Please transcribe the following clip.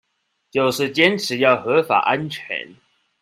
就是堅持要合法安全